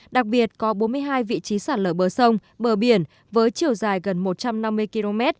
đặc biệt có bốn mươi hai vị trí sạt lở bờ sông bờ biển với chiều dài gần một trăm năm mươi km